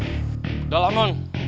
udah lah mon